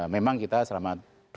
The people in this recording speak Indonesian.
memang kita selama